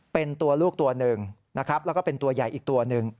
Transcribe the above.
เป็นตัวลูกตัวหนึ่งนะครับแล้วก็เป็นตัวใหญ่อีกตัวหนึ่ง